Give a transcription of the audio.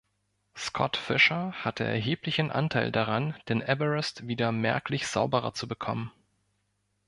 Scott Fischer hatte erheblichen Anteil daran, den Everest wieder merklich sauberer zu bekommen.